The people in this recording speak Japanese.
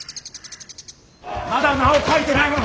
まだ名を書いてない者。